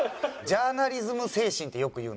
「ジャーナリズム精神」ってよく言うんですよ。